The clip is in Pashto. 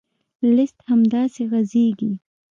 لیست همداسې غځېږي.